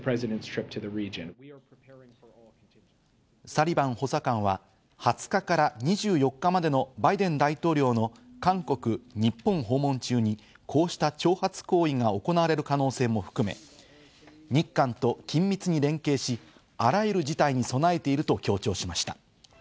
サリバン補佐官は２０日から２４日までのバイデン大統領の韓国・日本訪問中にこうした挑発行為が行われる可能性も含め、日韓と緊密に連携し、あらゆる事態に備えていると強調しました。